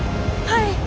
はい。